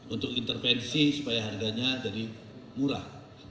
untuk intervensi supaya harganya jadi murah